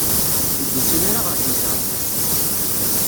Ur d-usin ara ɣer temkarḍit.